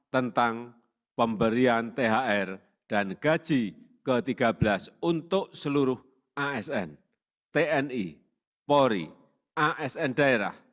tentang pemberian thr dan gaji ke tiga belas untuk seluruh asn tni polri asn daerah